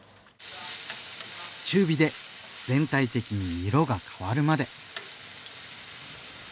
中火で全体的に色が変わるまで。